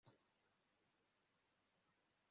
Ibyerekeranye na boles ndende igororotse nicyatsi